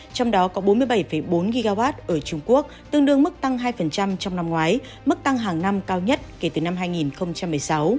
trong đó có bốn mươi bảy bốn gigawatt ở trung quốc tương đương mức tăng hai trong năm ngoái mức tăng hàng năm cao nhất kể từ năm hai nghìn một mươi sáu